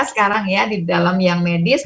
sekarang ya di dalam yang medis